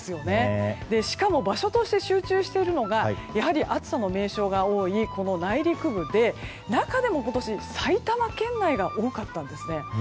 しかも場所として集中しているのがやはり暑さの名所が多い内陸部で中でも今年埼玉県内が多かったんですね。